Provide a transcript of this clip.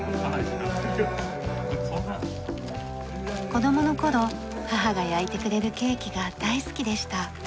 子供の頃母が焼いてくれるケーキが大好きでした。